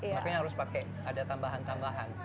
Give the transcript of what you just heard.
makanya harus pakai ada tambahan tambahan